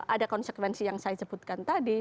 ada konsekuensi yang saya sebutkan tadi